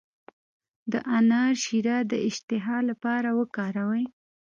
د انار شیره د اشتها لپاره وکاروئ